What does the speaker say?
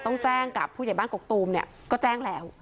ต้องแจ้งกับผู้ใหญ่บ้านกกตูมเนี่ยก็แจ้งแล้ว